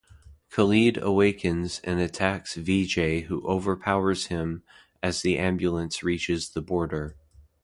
Khalid awakens and attacks Vijay who overpowers him as the ambulance reaches the border.